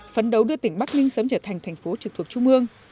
phấn đấu đưa tỉnh bắc ninh sớm trở thành thành phố trực thuộc trung ương